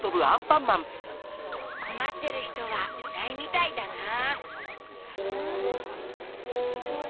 こまってるひとはいないみたいだなぁ。